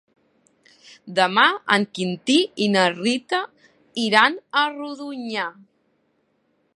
Demà en Quintí i na Rita iran a Rodonyà.